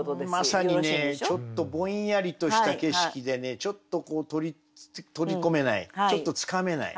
まさにねちょっとぼんやりとした景色でねちょっと取り込めないちょっとつかめない。